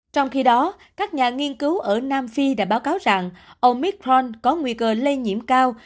trong khi đó các nhà nghiên cứu ở nam phi đã báo cáo rằng omithron có nguy cơ lây nhiễm cao